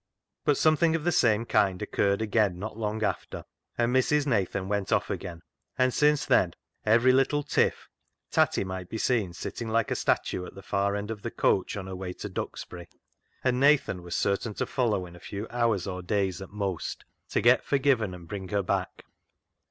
But something of the same kind occurred again not long after, and Mrs. Nathan went off again ; and since then, at every little tiff, Tatty might be seen sitting like a statue at the far end of the coach on her way to Duxbury, and Nathan was certain to follow in a few hours or days at most, to get forgiven and bring her back.